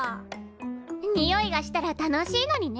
においがしたら楽しいのにね。